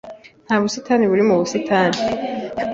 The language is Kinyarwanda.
Nta busitani buri mu busitani.